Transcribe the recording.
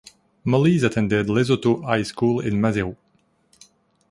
Molise attended Lesotho High School in Maseru.